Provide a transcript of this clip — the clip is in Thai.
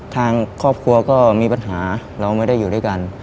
ทางครอบครัวก็มีปัญหาเราไม่ได้อยู่ด้วยกัน